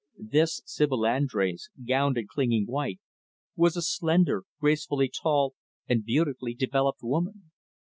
This Sibyl Andrés, gowned in clinging white, was a slender, gracefully tall, and beautifully developed woman.